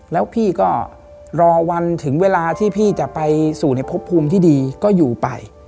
แล้วพี่ก็รอวันถึงเวลาที่พี่จะไปสู่ในพบภูมิที่ดีก็อยู่ไป